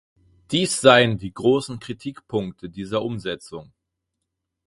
Dies seien die großen Kritikpunkte dieser Umsetzung.